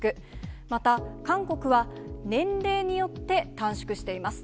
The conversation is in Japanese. また韓国は、年齢によって短縮しています。